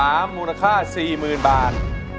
แก้มขอมาสู้เพื่อกล่องเสียงให้กับคุณพ่อใหม่นะครับ